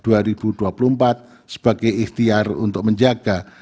lima pertimbangkan kepentingan pemerintahan yang disatukan oleh kepala negara